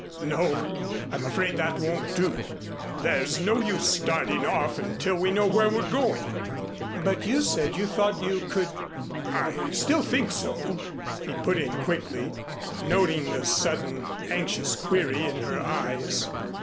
"No, I'm afraid that won't do. There's no use starting off until we know where we're going." "But you said you thought you could " "I still think so," he put in quickly, noting the sudden anxious query in her eyes.